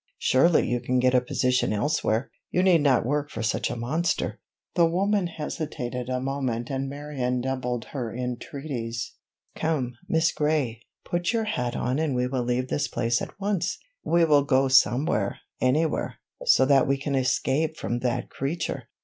"Surely you can get a position elsewhere! You need not work for such a monster!" The woman hesitated a moment and Marion doubled her entreaties. "Come, Miss Gray, put your hat on and we will leave this place at once! We will go somewhere, anywhere, so that we escape from that creature!"